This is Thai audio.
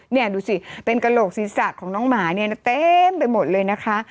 นี่ดูสิเป็นกะโหลกสินสักของน้องหมาแต้มไปหมดเลยนะคะ